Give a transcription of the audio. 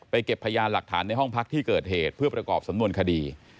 เก็บพยานหลักฐานในห้องพักที่เกิดเหตุเพื่อประกอบสำนวนคดี